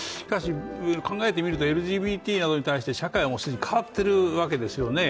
考えてみると、ＬＧＢＴなどに対して社会は既に変わっているわけですよね。